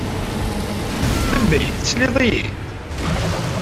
Debbie! Teslid-iyi-d?